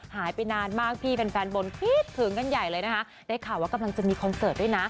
หายไปนานมากพี่แฟนบนคิดถึงกันใหญ่เลยนะคะได้ข่าวว่ากำลังจะมีคอนเสิร์ตด้วยนะ